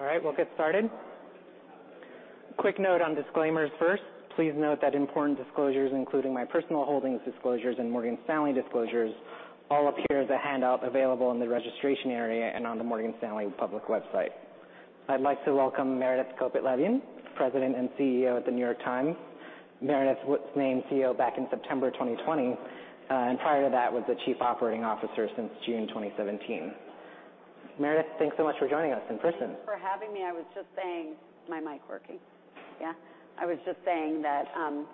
All right, we'll get started. Quick note on disclaimers first. Please note that important disclosures, including my personal holdings disclosures, and Morgan Stanley disclosures, all appear as a handout available in the registration area and on the Morgan Stanley public website. I'd like to welcome Meredith Kopit Levien, President and CEO at The New York Times. Meredith was named CEO back in September 2020, and prior to that was the Chief Operating Officer since June 2017. Meredith, thanks so much for joining us in person. Thank you for having me. Is my mic working? Yeah. I was just saying that,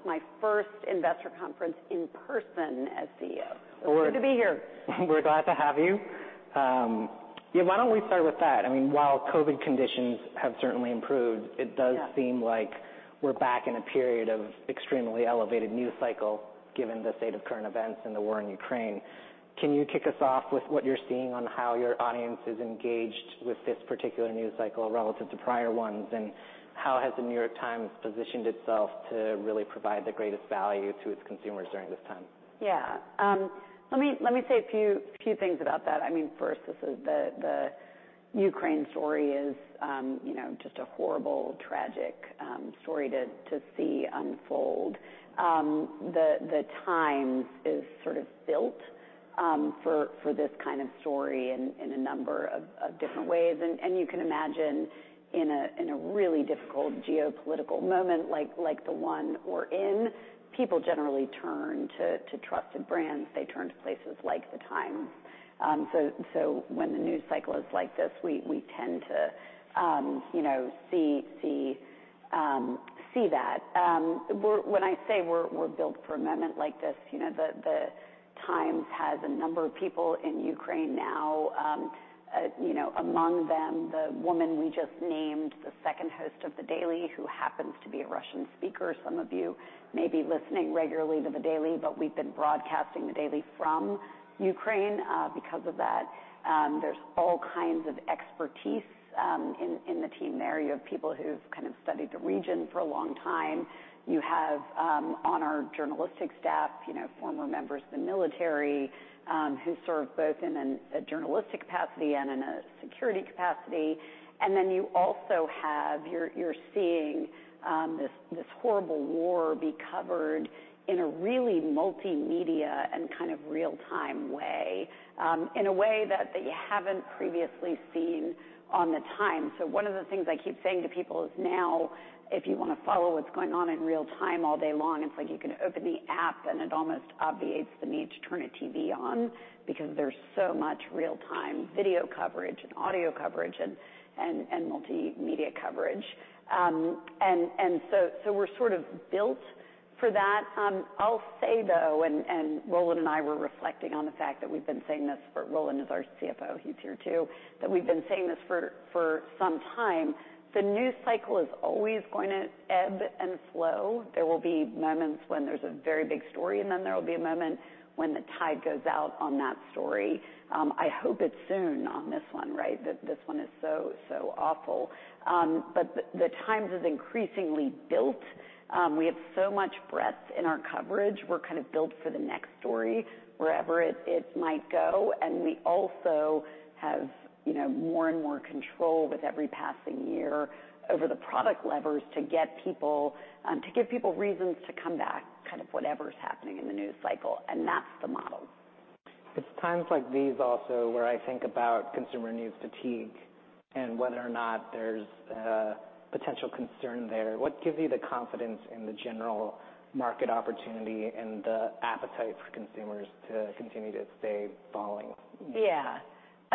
my first investor conference in person as CEO. We're- It's good to be here. We're glad to have you. Yeah, why don't we start with that? I mean, while COVID conditions have certainly improved. Yeah It does seem like we're back in a period of extremely elevated news cycle, given the state of current events and the war in Ukraine. Can you kick us off with what you're seeing on how your audience is engaged with this particular news cycle relative to prior ones? How has The New York Times positioned itself to really provide the greatest value to its consumers during this time? Yeah. Let me say a few things about that. I mean, first, this is the Ukraine story is you know just a horrible, tragic story to see unfold. The Times is sort of built for this kind of story in a number of different ways. You can imagine in a really difficult geopolitical moment like the one we're in, people generally turn to trusted brands. They turn to places like The Times. When the news cycle is like this, we tend to you know see that. When I say we're built for a moment like this, you know, The Times has a number of people in Ukraine now. You know, among them, the woman we just named the second host of The Daily, who happens to be a Russian speaker. Some of you may be listening regularly to The Daily, but we've been broadcasting The Daily from Ukraine because of that. There's all kinds of expertise in the team there. You have people who've kind of studied the region for a long time. You have, on our journalistic staff, you know, former members of the military who served both in a journalistic capacity and in a security capacity. You also have. You're seeing this horrible war be covered in a really multimedia and kind of real-time way, in a way that you haven't previously seen on The Times. One of the things I keep saying to people is now if you wanna follow what's going on in real time all day long, it's like you can open the app, and it almost obviates the need to turn a TV on because there's so much real-time video coverage and audio coverage and multimedia coverage. We're sort of built for that. I'll say, though, and Roland and I were reflecting on a fact that we've been saying this, Roland is our CFO, he's here too. That we've been saying this for some time. The news cycle is always going to ebb and flow. There will be moments when there's a very big story, and then there will be a moment when the tide goes out on that story. I hope it's soon on this one, right? This one is so awful. The Times is increasingly built. We have so much breadth in our coverage. We're kind of built for the next story, wherever it might go. We also have, you know, more and more control with every passing year over the product levers to give people reasons to come back, kind of whatever's happening in the news cycle, and that's the model. It's times like these also where I think about consumer news fatigue and whether or not there's a potential concern there. What gives you the confidence in the general market opportunity and the appetite for consumers to continue to stay following? Yeah.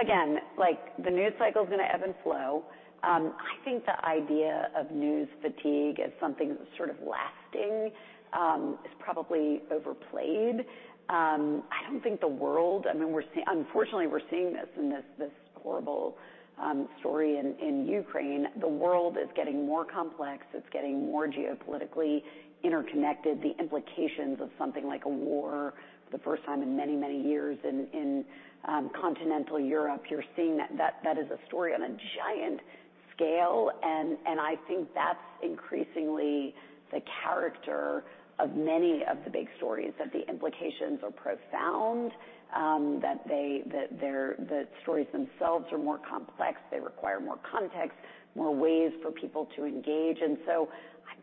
Again, like, the news cycle is gonna ebb and flow. I think the idea of news fatigue as something sort of lasting is probably overplayed. I don't think the world. I mean, we're seeing this in this horrible story in Ukraine. The world is getting more complex. It's getting more geopolitically interconnected. The implications of something like a war for the first time in many, many years in continental Europe, you're seeing that. That is a story on a giant scale, and I think that's increasingly the character of many of the big stories, that the implications are profound, that they're the stories themselves are more complex. They require more context, more ways for people to engage. I'm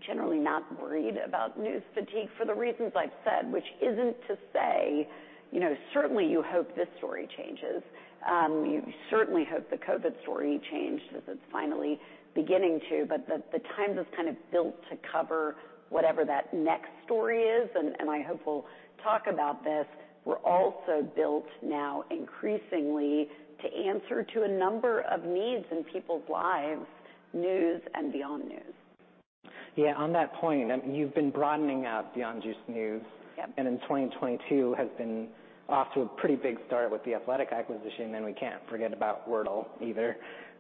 generally not worried about news fatigue for the reasons I've said, which isn't to say, you know, certainly you hope this story changes. You certainly hope the COVID story changes. It's finally beginning to. The Times is kind of built to cover whatever that next story is, and I hope we'll talk about this. We're also built now increasingly to answer to a number of needs in people's lives, news and beyond news. Yeah. On that point, I mean, you've been broadening out beyond just news. Yep. 2022 has been off to a pretty big start with The Athletic acquisition, and we can't forget about Wordle either.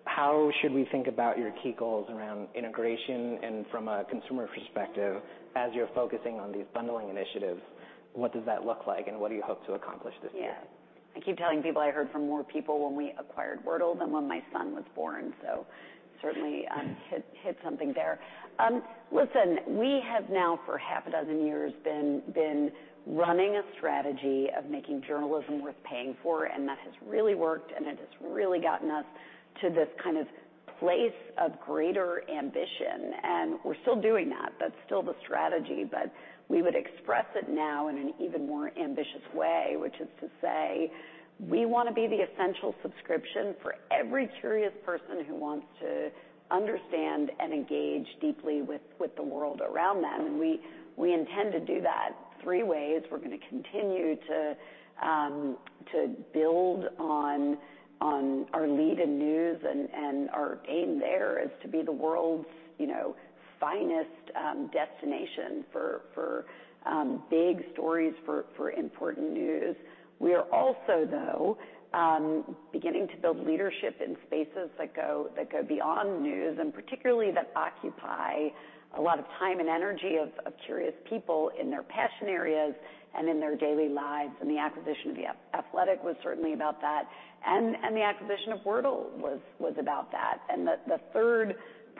How should we think about your key goals around integration and from a consumer perspective as you're focusing on these bundling initiatives? What does that look like, and what do you hope to accomplish this year? Yeah. I keep telling people I heard from more people when we acquired Wordle than when my son was born, so certainly I hit something there. Listen, we have now for half a dozen years been running a strategy of making journalism worth paying for, and that has really worked and it has really gotten us to this kind of place of greater ambition. We're still doing that. That's still the strategy. We would express it now in an even more ambitious way, which is to say we wanna be the essential subscription for every curious person who wants to understand and engage deeply with the world around them. We intend to do that three ways. We're gonna continue to build on our lead in news and our aim there is to be the world's, you know, finest destination for big stories, for important news. We are also, though, beginning to build leadership in spaces that go beyond news, and particularly that occupy a lot of time and energy of curious people in their passion areas and in their daily lives. The acquisition of The Athletic was certainly about that, and the acquisition of Wordle was about that. The third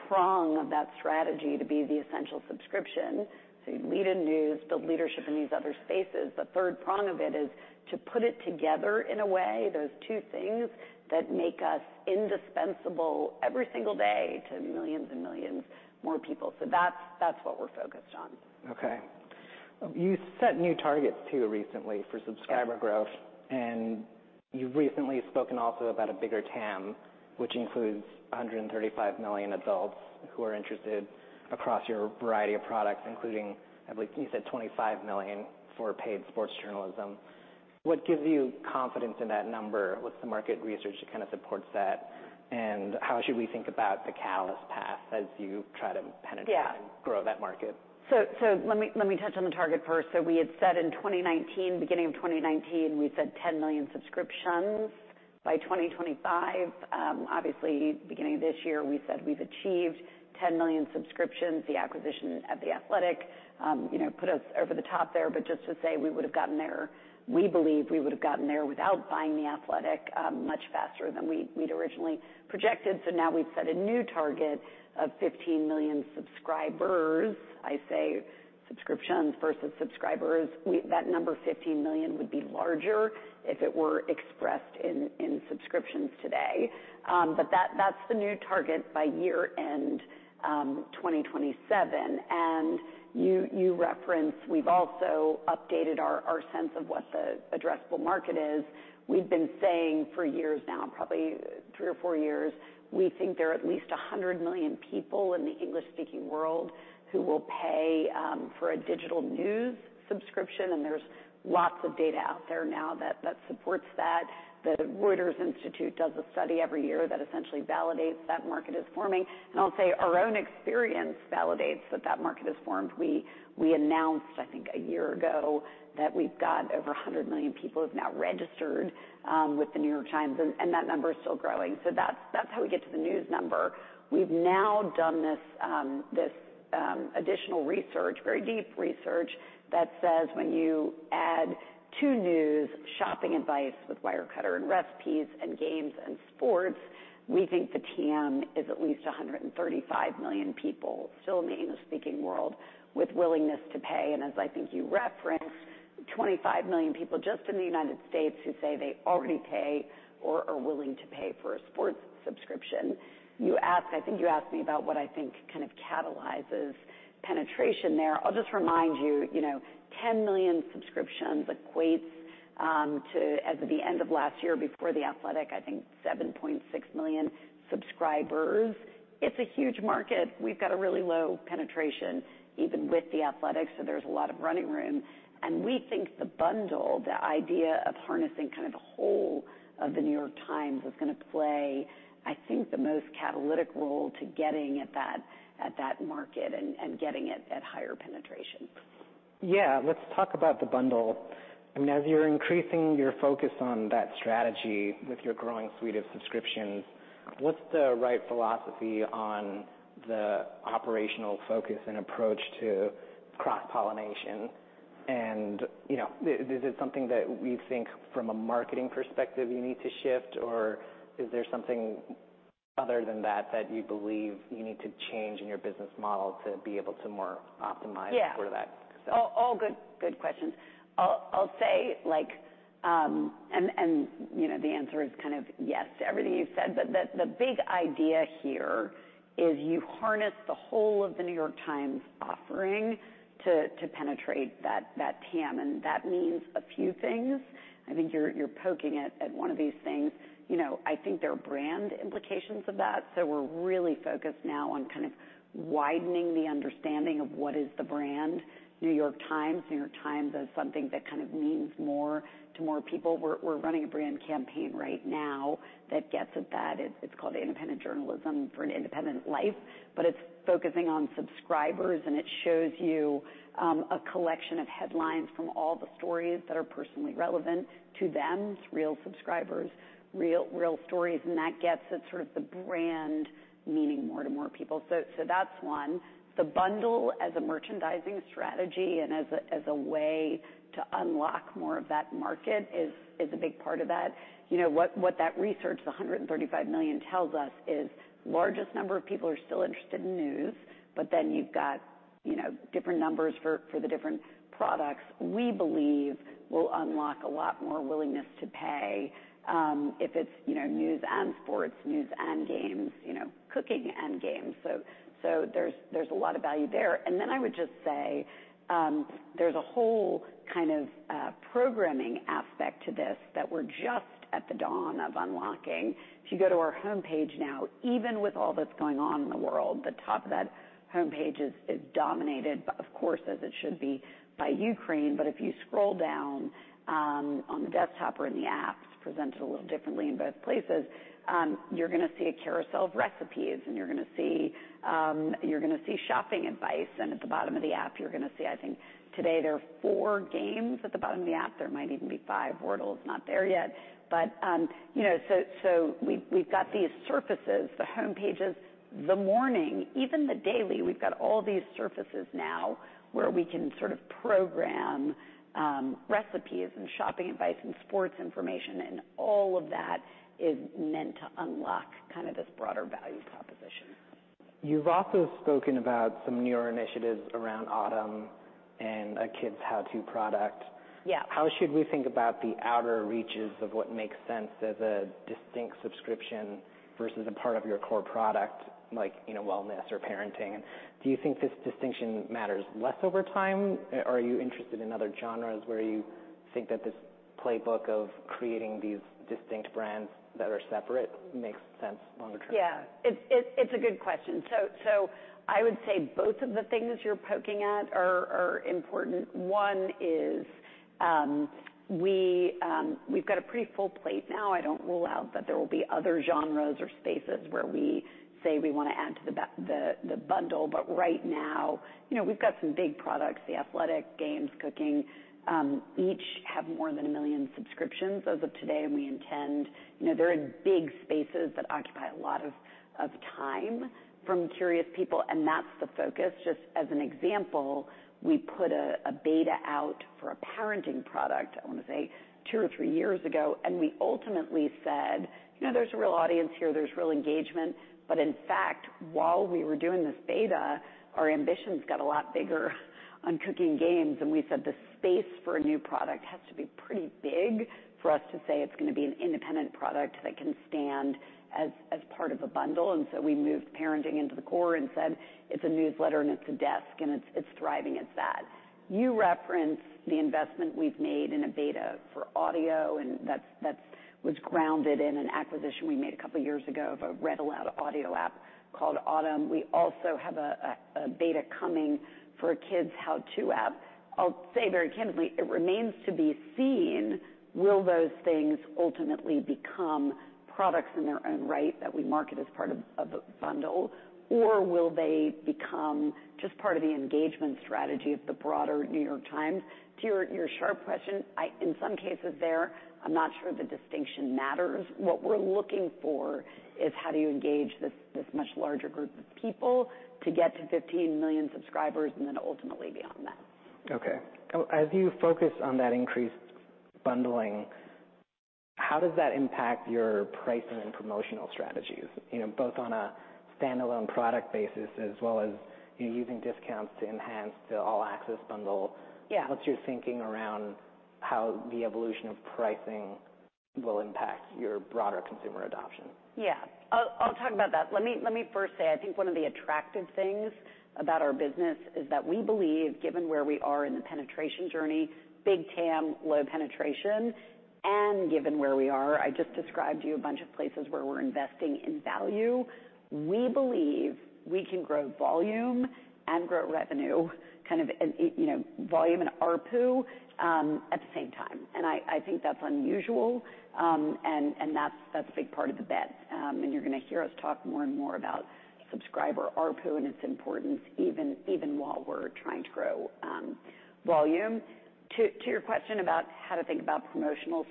prong of that strategy to be the essential subscription, so you lead in news, build leadership in these other spaces, the third prong of it is to put it together in a way, those two things, that make us indispensable every single day to millions and millions more people. That's what we're focused on. Okay. You set new targets too recently for subscriber growth. You've recently spoken also about a bigger TAM, which includes 135 million adults who are interested across your variety of products, including, I believe you said 25 million for paid sports journalism. What gives you confidence in that number? What's the market research that kinda supports that? How should we think about the catalysts path as you try to penetrate- Yeah. grow that market? Let me touch on the target first. We had said in 2019, beginning of 2019, we said 10 million subscriptions by 2025. Obviously, beginning of this year we said we've achieved 10 million subscriptions. The acquisition of The Athletic, you know, put us over the top there. Just to say we would've gotten there, we believe we would've gotten there without buying The Athletic, much faster than we'd originally projected. Now we've set a new target of 15 million subscribers. I say subscriptions versus subscribers. That number 15 million would be larger if it were expressed in subscriptions today. That's the new target by year end, 2027. You referenced we've also updated our sense of what the addressable market is. We've been saying for years now, probably three or four years, we think there are at least 100 million people in the English-speaking world who will pay for a digital news subscription, and there's lots of data out there now that supports that. The Reuters Institute does a study every year that essentially validates that market is forming. I'll say our own experience validates that market is formed. We announced, I think, 1 year ago that we've got over 100 million people have now registered with The New York Times, and that number is still growing. That's how we get to the news number. We've now done this additional research, very deep research that says when you add to news shopping advice with Wirecutter and recipes and games and sports, we think the TAM is at least 135 million people, still in the English-speaking world, with willingness to pay. As I think you referenced, 25 million people just in the United States who say they already pay or are willing to pay for a sports subscription. You asked, I think you asked me about what I think kind of catalyzes penetration there. I'll just remind you know, 10 million subscriptions equates to, as of the end of last year before The Athletic, I think 7.6 million subscribers. It's a huge market. We've got a really low penetration even with The Athletic, so there's a lot of running room. We think the bundle, the idea of harnessing kind of the whole of The New York Times is gonna play, I think, the most catalytic role to getting at that, at that market and getting it at higher penetration. Yeah. Let's talk about the bundle. I mean, as you're increasing your focus on that strategy with your growing suite of subscriptions, what's the right philosophy on the operational focus and approach to cross-pollination? You know, is it something that we think from a marketing perspective you need to shift, or is there something other than that you believe you need to change in your business model to be able to more optimize- Yeah. toward that success? All good questions. I'll say like, you know, the answer is kind of yes to everything you've said, but the big idea here is you harness the whole of The New York Times offering to penetrate that TAM, and that means a few things. I think you're poking at one of these things. You know, I think there are brand implications of that, so we're really focused now on kind of widening the understanding of what is the brand New York Times. New York Times as something that kind of means more to more people. We're running a brand campaign right now that gets at that. It's called Independent Journalism for an Independent Life, but it's focusing on subscribers, and it shows you a collection of headlines from all the stories that are personally relevant to them, real subscribers, real stories, and that gets at sort of the brand meaning more to more people. That's one. The bundle as a merchandising strategy and as a way to unlock more of that market is a big part of that. You know, what that research, the 135 million tells us is largest number of people are still interested in news, but then you've got, you know, different numbers for the different products we believe will unlock a lot more willingness to pay, if it's, you know, news and sports, news and games, you know, cooking and games. There's a lot of value there. I would just say, there's a whole kind of programming aspect to this that we're just at the dawn of unlocking. If you go to our homepage now, even with all that's going on in the world, the top of that homepage is dominated, of course, as it should be by Ukraine. If you scroll down on the desktop or in the apps, presented a little differently in both places, you're gonna see a carousel of recipes, and you're gonna see shopping advice. At the bottom of the app you're gonna see, I think, today there are four games at the bottom of the app. There might even be five. Wordle is not there yet. You know, so we've got these surfaces, the homepages, the morning, even the daily. We've got all these surfaces now where we can sort of program recipes and shopping advice and sports information, and all of that is meant to unlock kind of this broader value proposition. You've also spoken about some newer initiatives around Audm and a kids how-to product. Yeah. How should we think about the outer reaches of what makes sense as a distinct subscription versus a part of your core product like, you know, wellness or parenting? Do you think this distinction matters less over time? Are you interested in other genres where you think that this playbook of creating these distinct brands that are separate makes sense longer term? Yeah. It's a good question. I would say both of the things you're poking at are important. One is, we've got a pretty full plate now. I don't rule out that there will be other genres or spaces where we say we wanna add to the bundle, but right now, you know, we've got some big products, The Athletic, Games, Cooking, each have more than 1 million subscriptions as of today, and we intend. You know, they're in big spaces that occupy a lot of time from curious people, and that's the focus. Just as an example, we put a beta out for a parenting product, I wanna say two or three years ago, and we ultimately said, "You know, there's a real audience here. There's real engagement. In fact, while we were doing this beta, our ambitions got a lot bigger on cooking games, and we said the space for a new product has to be pretty big for us to say it's gonna be an independent product that can stand as part of a bundle. We moved parenting into the core and said it's a newsletter and it's a desk and it's thriving as that. You referenced the investment we've made in a beta for audio, and that was grounded in an acquisition we made a couple years ago of a read-aloud audio app called Audm. We also have a beta coming for a kids how-to app. I'll say very candidly, it remains to be seen will those things ultimately become products in their own right that we market as part of the bundle, or will they become just part of the engagement strategy of the broader New York Times? To your sharp question, I in some cases there, I'm not sure the distinction matters. What we're looking for is how do you engage this much larger group of people to get to 15 million subscribers and then ultimately beyond that. Okay. As you focus on that increased bundling, how does that impact your pricing and promotional strategies, you know, both on a standalone product basis as well as you using discounts to enhance the all access bundle? Yeah. What's your thinking around how the evolution of pricing will impact your broader consumer adoption? Yeah. I'll talk about that. Let me first say, I think one of the attractive things about our business is that we believe given where we are in the penetration journey, big TAM, low penetration, and given where we are, I just described to you a bunch of places where we're investing in value. We believe we can grow volume and grow revenue kind of, and you know, volume and ARPU at the same time. I think that's unusual, and that's a big part of the bet. You're gonna hear us talk more and more about subscriber ARPU and its importance even while we're trying to grow volume. To your question about how to think about promotional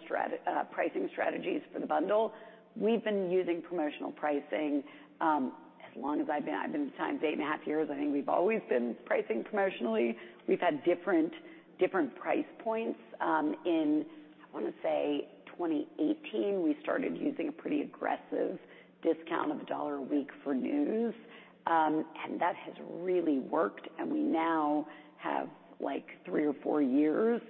pricing strategies for the bundle, we've been using promotional pricing as long as I've been. I've been at The Times eight and a half years. I think we've always been pricing promotionally. We've had different price points. In, I wanna say 2018, we started using a pretty aggressive discount of $1 a week for news, and that has really worked. We now have like three or four years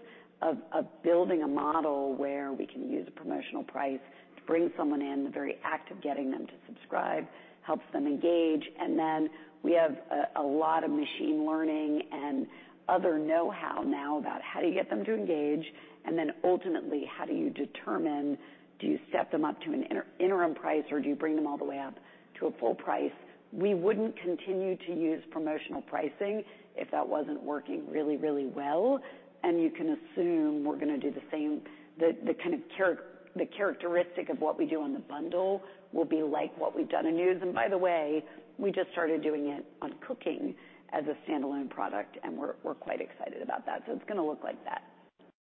of building a model where we can use a promotional price to bring someone in. The very act of getting them to subscribe helps them engage. Then we have a lot of machine learning and other know-how now about how do you get them to engage, and then ultimately, how do you determine do you step them up to an interim price or do you bring them all the way up to a full price? We wouldn't continue to use promotional pricing if that wasn't working really, really well, and you can assume we're gonna do the same. The characteristic of what we do on the bundle will be like what we've done in news. By the way, we just started doing it on Cooking as a standalone product, and we're quite excited about that. It's gonna look like that.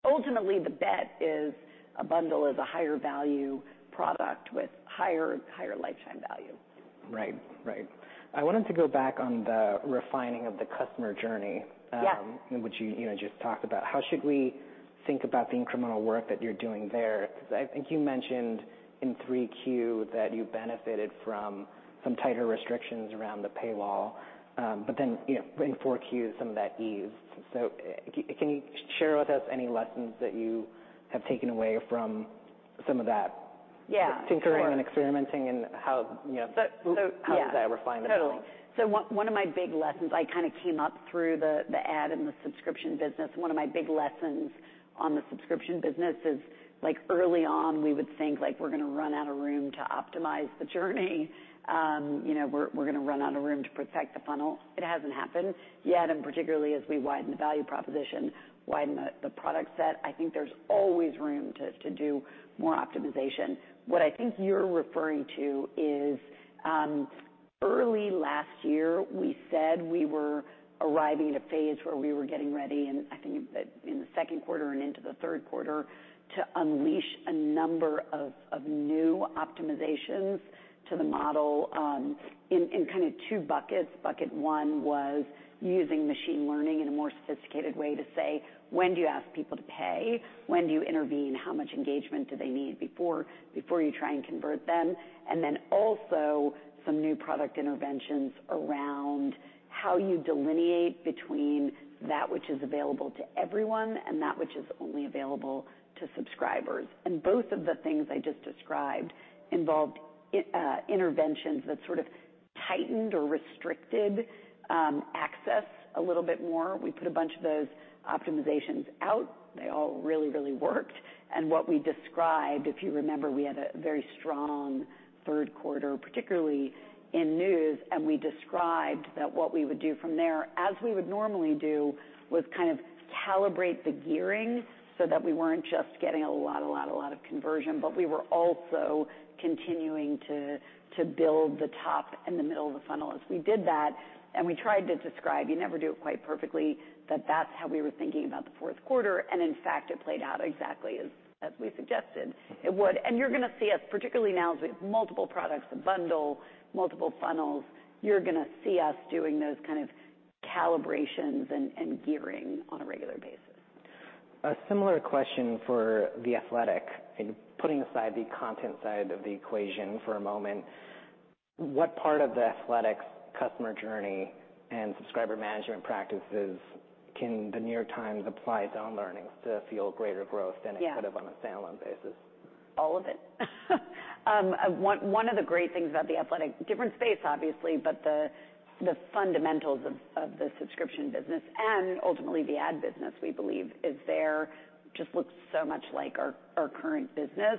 Ultimately, the bet is a bundle is a higher value product with higher lifetime value. Right. I wanted to go back on the refining of the customer journey. Yeah which you know just talked about. How should we think about the incremental work that you're doing there? 'Cause I think you mentioned in 3Q that you benefited from some tighter restrictions around the paywall, but then, you know, in 4Q some of that eased. Can you share with us any lessons that you have taken away from some of that? Yeah tinkering and experimenting and how, you know So, so- How does that refine that? Yeah. Totally. One of my big lessons, I kinda came up through the ad and the subscription business. One of my big lessons on the subscription business is, like, early on, we would think, like, we're gonna run out of room to optimize the journey. You know, we're gonna run out of room to protect the funnel. It hasn't happened yet, and particularly as we widen the value proposition, widen the product set, I think there's always room to do more optimization. What I think you're referring to is, early last year we said we were arriving at a phase where we were getting ready, and I think that in the second quarter and into the third quarter, to unleash a number of new optimizations to the model, in kind of two buckets. Bucket one was using machine learning in a more sophisticated way to say, "When do you ask people to pay? When do you intervene? How much engagement do they need before you try and convert them?" Then also some new product interventions around how you delineate between that which is available to everyone and that which is only available to subscribers. Both of the things I just described involved interventions that sort of tightened or restricted access a little bit more. We put a bunch of those optimizations out. They all really worked. What we described, if you remember, we had a very strong third quarter, particularly in news, and we described that what we would do from there, as we would normally do, was kind of calibrate the gearing so that we weren't just getting a lot of conversion, but we were also continuing to build the top and the middle of the funnel. As we did that, and we tried to describe, you never do it quite perfectly, that that's how we were thinking about the fourth quarter, and in fact, it played out exactly as we suggested it would. You're gonna see us, particularly now as we have multiple products, a bundle, multiple funnels, you're gonna see us doing those kind of calibrations and gearing on a regular basis. A similar question for The Athletic, and putting aside the content side of the equation for a moment, what part of The Athletic's customer journey and subscriber management practices can The New York Times apply its own learnings to fuel greater growth than it? Yeah Could have on a stand-alone basis? All of it. One of the great things about The Athletic, different space obviously, but the fundamentals of the subscription business and ultimately the ad business, we believe is there, just looks so much like our current business.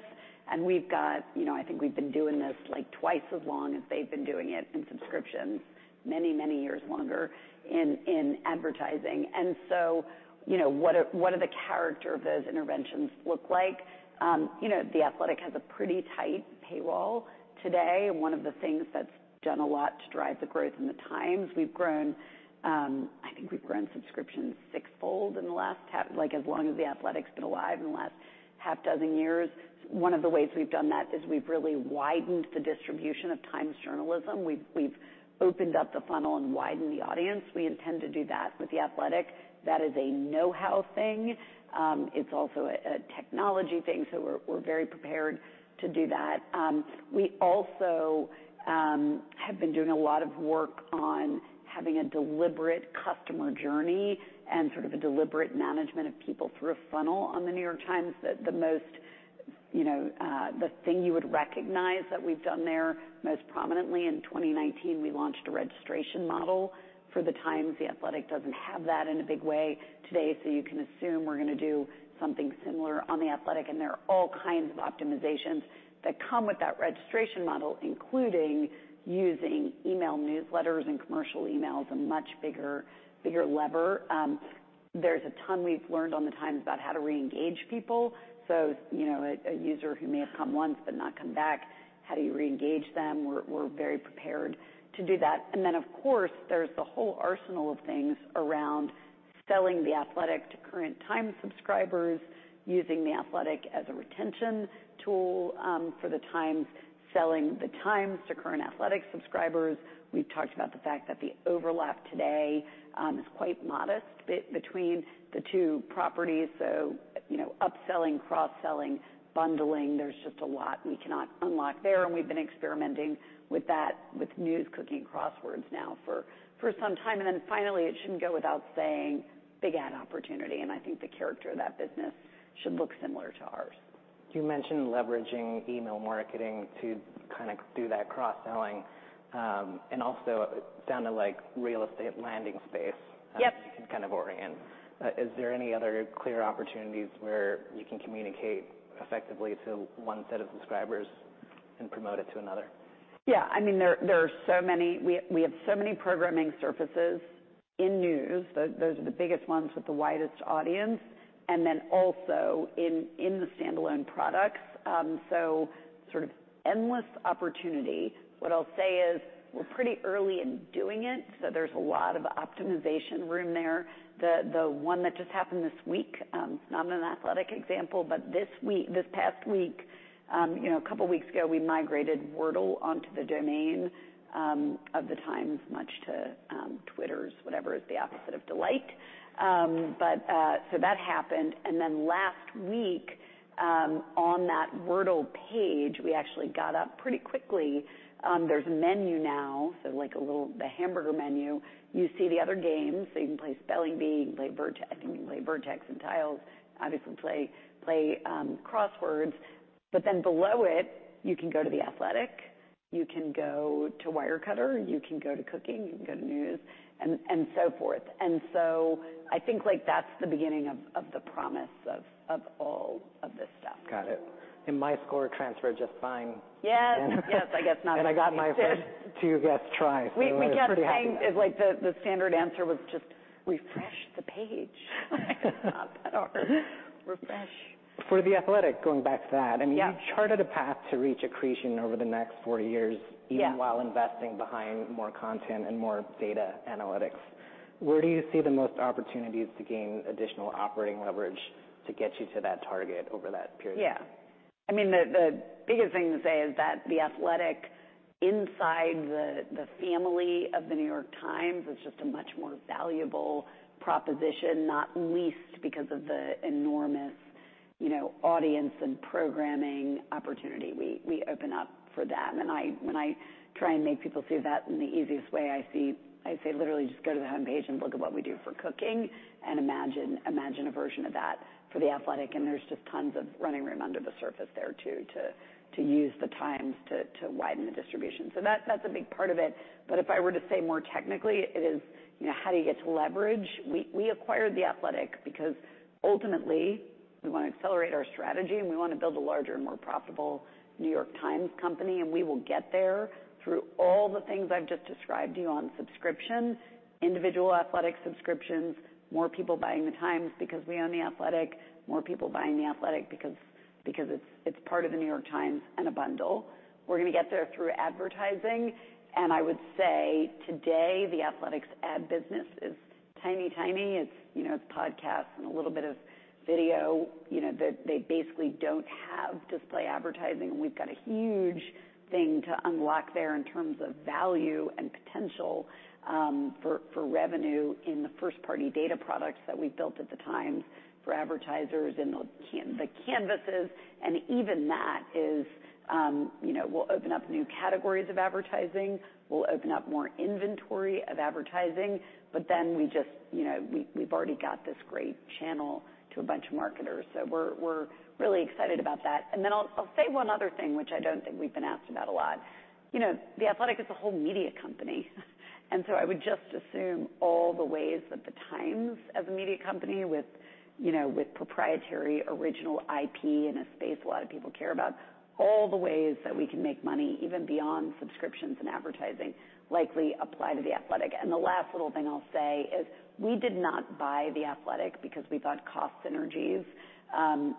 We've got, you know, I think we've been doing this, like, twice as long as they've been doing it in subscriptions, many years longer in advertising. You know, what do the character of those interventions look like? You know, The Athletic has a pretty tight paywall today, and one of the things that's done a lot to drive the growth in The Times, we've grown, I think we've grown subscriptions sixfold in the last half dozen years like as long as The Athletic's been alive. One of the ways we've done that is we've really widened the distribution of Times journalism. We've opened up the funnel and widened the audience. We intend to do that with The Athletic. That is a know-how thing. It's also a technology thing, so we're very prepared to do that. We also have been doing a lot of work on having a deliberate customer journey and sort of a deliberate management of people through a funnel on The New York Times. That's the most prominent thing you would recognize that we've done there. In 2019, we launched a registration model for The Times. The Athletic doesn't have that in a big way today, so you can assume we're gonna do something similar on The Athletic, and there are all kinds of optimizations that come with that registration model, including using email newsletters and commercial emails, a much bigger lever. There's a ton we've learned on The Times about how to re-engage people. You know, a user who may have come once but not come back, how do you re-engage them? We're very prepared to do that. Then of course, there's the whole arsenal of things around selling The Athletic to current Times subscribers, using The Athletic as a retention tool, for The Times, selling The Times to current Athletic subscribers. We've talked about the fact that the overlap today is quite modest between the two properties, so you know, upselling, cross-selling, bundling. There's just a lot we cannot unlock there, and we've been experimenting with that with news, Cooking, crosswords now for some time. Then finally, it shouldn't go without saying, big ad opportunity, and I think the character of that business should look similar to ours. You mentioned leveraging email marketing to kind of do that cross-selling, and also down to, like, real estate landing space. Yep You can kind of orient. Is there any other clear opportunities where you can communicate effectively to one set of subscribers and promote it to another? Yeah. I mean, there are so many. We have so many programming surfaces in news. Those are the biggest ones with the widest audience. In the standalone products. Sort of endless opportunity. What I'll say is we're pretty early in doing it, so there's a lot of optimization room there. The one that just happened this week. It's not an Athletic example, but this week, this past week, you know, a couple weeks ago, we migrated Wordle onto the domain of The Times, much to Twitter's, whatever is the opposite of delight. That happened, and then last week, on that Wordle page, we actually got up pretty quickly. There's a menu now, so like a little, the hamburger menu. You see the other games, so you can play Spelling Bee, you can play Vertex and Tiles, I think you can play them, obviously play crosswords. Below it, you can go to The Athletic, you can go to Wirecutter, you can go to Cooking, you can go to news, and so forth. I think, like, that's the beginning of the promise of all of this stuff. Got it. My score transferred just fine. Yes, I guess. I got my first two guess tries, so I was pretty happy with that. We kept saying, like, the standard answer was just refresh the page. It's not that hard. Refresh. For The Athletic, going back to that. Yeah. I mean, you charted a path to reach accretion over the next four years. Yeah Even while investing behind more content and more data analytics. Where do you see the most opportunities to gain additional operating leverage to get you to that target over that period? Yeah. I mean, the biggest thing to say is that The Athletic inside the family of The New York Times is just a much more valuable proposition, not least because of the enormous, you know, audience and programming opportunity we open up for them. I try and make people see that in the easiest way I see. I say, literally just go to the homepage and look at what we do for Cooking and imagine a version of that for The Athletic, and there's just tons of running room under the surface there too to use The Times to widen the distribution. That's a big part of it. If I were to say more technically, it is, you know, how do you get to leverage? We acquired The Athletic because ultimately we wanna accelerate our strategy, and we wanna build a larger and more profitable New York Times Company, and we will get there through all the things I've just described to you on subscriptions, individual Athletic subscriptions, more people buying The Times because we own The Athletic, more people buying The Athletic because it's part of The New York Times and a bundle. We're gonna get there through advertising, and I would say today, The Athletic's ad business is tiny. It's, you know, it's podcasts and a little bit of video. You know, they basically don't have display advertising. We've got a huge thing to unlock there in terms of value and potential for revenue in the first-party data products that we've built at The Times for advertisers and the canvases, and even that is, you know, we'll open up new categories of advertising. We'll open up more inventory of advertising. We just, you know, we've already got this great channel to a bunch of marketers, so we're really excited about that. I'll say one other thing, which I don't think we've been asked about a lot. You know, The Athletic is a whole media company, and so I would just assume all the ways that The Times as a media company with, you know, with proprietary original IP in a space a lot of people care about, all the ways that we can make money, even beyond subscriptions and advertising, likely apply to The Athletic. The last little thing I'll say is we did not buy The Athletic because we thought cost synergies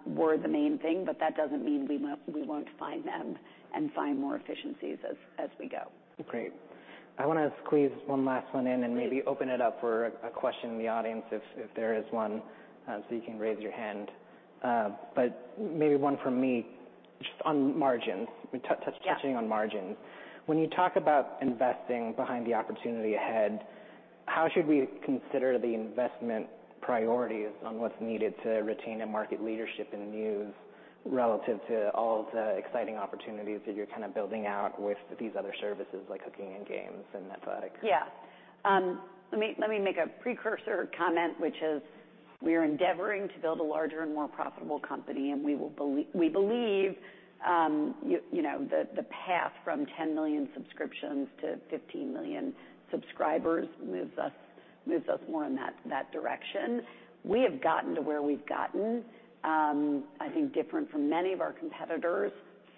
were the main thing, but that doesn't mean we won't find them and find more efficiencies as we go. Great. I wanna squeeze one last one in and maybe open it up for a question in the audience if there is one, so you can raise your hand. Maybe one from me just on margins. Touching- Yeah On margins. When you talk about investing behind the opportunity ahead, how should we consider the investment priorities on what's needed to retain a market leadership in news relative to all the exciting opportunities that you're kind of building out with these other services like Cooking and Games and The Athletic? Yeah. Let me make a precursory comment, which is we are endeavoring to build a larger and more profitable company, and we believe you know the path from 10 million subscriptions to 15 million subscribers moves us more in that direction. We have gotten to where we've gotten, I think, different from many of our competitors,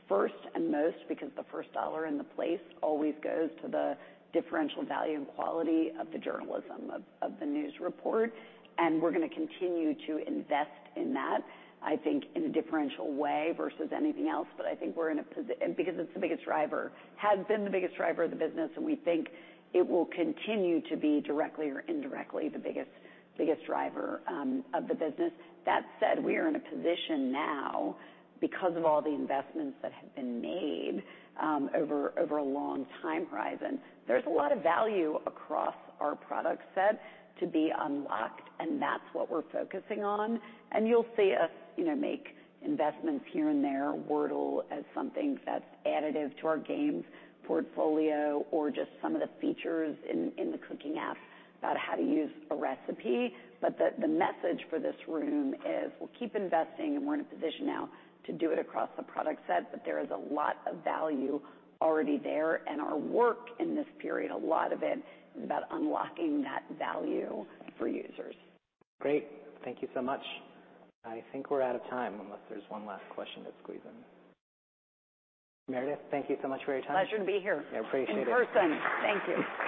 first and foremost because the first dollar in the place always goes to the differential value and quality of the journalism of the news report, and we're gonna continue to invest in that, I think, in a differential way versus anything else. I think we're in a position because it's the biggest driver, has been the biggest driver of the business, and we think it will continue to be directly or indirectly the biggest driver of the business. That said, we are in a position now because of all the investments that have been made over a long time horizon. There's a lot of value across our product set to be unlocked, and that's what we're focusing on. You'll see us, you know, make investments here and there, Wordle as something that's additive to our Games portfolio or just some of the features in the Cooking app about how to use a recipe. The message for this room is we'll keep investing, and we're in a position now to do it across the product set, but there is a lot of value already there, and our work in this period, a lot of it is about unlocking that value for users. Great. Thank you so much. I think we're out of time unless there's one last question to squeeze in. Meredith, thank you so much for your time. Pleasure to be here. I appreciate it. In person. Thank you.